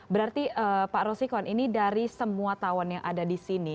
berarti pak rosikon ini dari semua tawon yang ada di sini